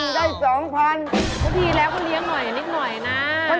ได้สองพัน